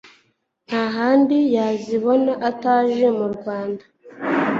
nta handi yazibona ataje mu Rwanda.